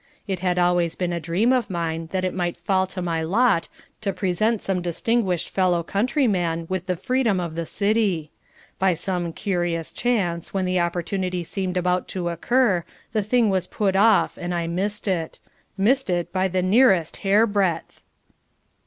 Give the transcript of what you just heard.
It had always been a dream of mine that it might fall to my lot to present some distinguished fellow countryman with the freedom of the City. By some curious chance, when the opportunity seemed about to occur, the thing was put off and I missed it missed it by the nearest hair breadth!"